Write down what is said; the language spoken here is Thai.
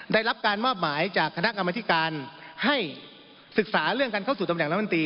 ได้รับการมอบหมายจากคณะกรรมธิการให้ศึกษาเรื่องการเข้าสู่ตำแหนรัฐมนตรี